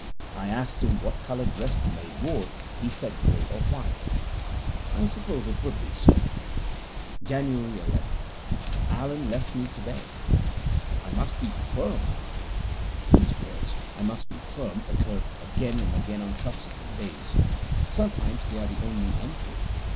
I asked him what coloured dress the maid wore; he said grey or white. I supposed it would be so. Jan. 11 Allen left me today. I must be firm. These words, I must be firm, occur again and again on subsequent days; sometimes they are the only entry.